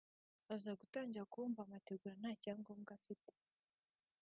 Aza gutangira kubumba amategura nta cyangombwa afite